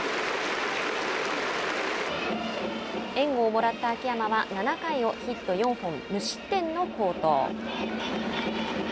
援護をもらった秋山は７回をヒット４本無失点の好投。